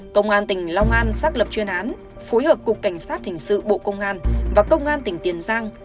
công an tỉnh long an xác lập chuyên án phối hợp cục cảnh sát hình sự bộ công an và công an tỉnh tiền giang